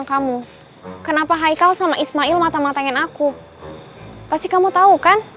kamu kenapa haikal sama ismail mata matanya aku pasti kamu tahu kan